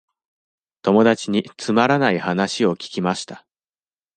友達につまらない話を聞きました。